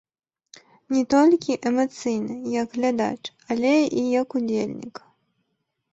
Не толькі эмацыйна, як глядач, але і як удзельнік.